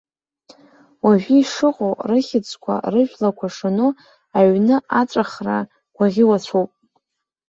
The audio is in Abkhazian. Уажәы ишыҟоу, рыхьӡқәа, рыжәлақәа шану, аҩны аҵәахра гәаӷьуацәоуп.